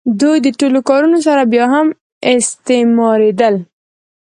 دوی د دې ټولو کارونو سره بیا هم استثماریدل.